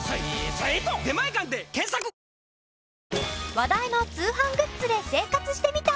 話題の通販グッズで生活してみた！